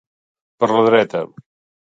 Per la dreta.